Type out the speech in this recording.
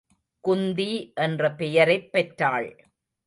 குந்தி என்ற பெயரைப் பெற்றாள்.